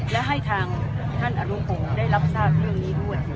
และให้ทางท่านอารุโภงได้รับทราบเรื่องด้วย